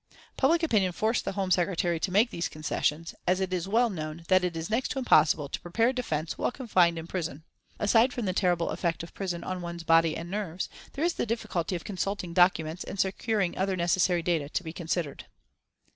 Public opinion forced the Home Secretary to make these concessions, as it is well known that it is next to impossible to prepare a defence while confined in prison. Aside from the terrible effect of prison on one's body and nerves, there is the difficulty of consulting documents and securing other necessary data to be considered.